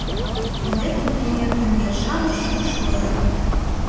Вӱдетым эҥер ден ер-шамыч шупшылыныт.